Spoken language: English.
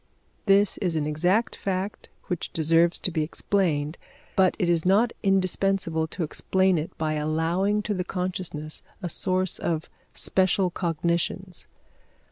This is an exact fact which deserves to be explained, but it is not indispensable to explain it by allowing to the consciousness a source of special cognitions.